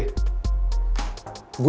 dan sekarang pertama kalinya dalam hidup gue